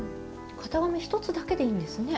型紙１つだけでいいんですね。